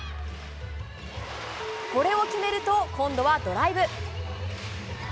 これを決めると、今度はドライブ。